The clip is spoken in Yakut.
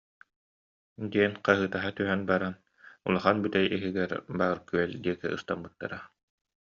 диэн хаһыытаһа түһэн баран, улахан бүтэй иһигэр баар күөл диэки ыстаммыттара